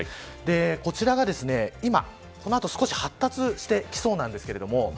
こちらはこの後少し発達してきそうです。